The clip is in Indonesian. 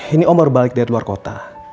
ini om baru balik dari luar kota